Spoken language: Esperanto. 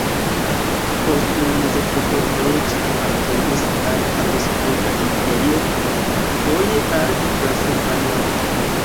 Post la mezepoko foje ĝi apartenis al Habsburga Imperio, foje al Transilvanio.